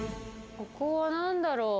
ここはなんだろ？